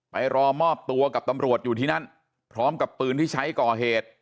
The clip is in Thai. รอมอบตัวกับตำรวจอยู่ที่นั้นพร้อมกับปืนที่ใช้ก่อเหตุ